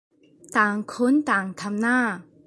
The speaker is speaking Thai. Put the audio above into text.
ต่างคนต่างทำน่ะ